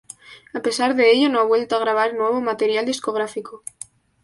A pesar de ello, no ha vuelto a grabar nuevo material discográfico.